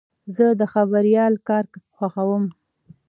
زه د خبریال کار خوښوم.